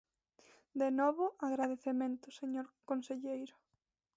De novo, agradecemento, señor conselleiro.